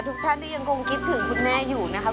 ทุกท่านที่ยังคงคิดถึงคุณแม่อยู่นะครับ